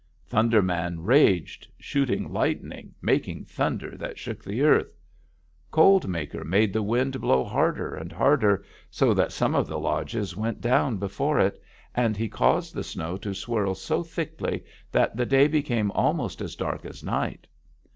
Thunder Man raged, shooting lightning, making thunder that shook the earth. Cold Maker made the wind blow harder and harder, so that some of the lodges went down before it, and he caused the snow to swirl so thickly that the day became almost as dark as night.